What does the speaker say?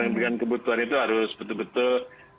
dengan kebutuhan itu harus betul betul